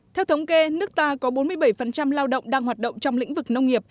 theo thống kê nước ta có bốn mươi bảy lao động đang hoạt động trong lĩnh vực nông nghiệp